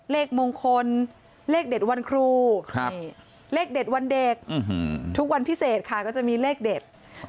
เลขมงคลเลขเด็ดวันครูเลขเด็ดวันเด็กทุกวันพิเศษค่ะก็จะมีเลขเด็ด